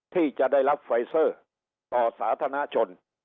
ที่จะได้รับไฟเซอร์ต่อสาธารณชน